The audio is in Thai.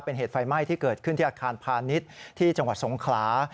เป็นเหตุไฟไหม้ที่เกิดขึ้นที่อาคารพาณิชย์ที่จังหวัดสงขลา